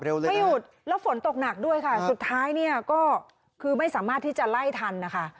ไม่หยุดแล้วฝนตกหนักด้วยค่ะสุดท้ายเนี่ยก็คือไม่สามารถที่จะไล่ทันนะคะ